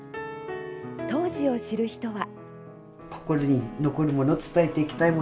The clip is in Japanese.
当時を知る人は。